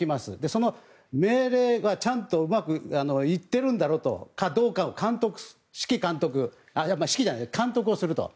その命令がちゃんとうまくいっているかどうかを指揮監督指揮じゃなくて監督をすると。